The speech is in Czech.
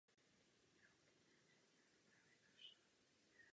Při posuzování žádostí musí existovat solidarita.